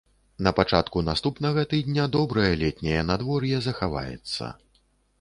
На пачатку наступнага тыдня добрае летняе надвор'е захаваецца.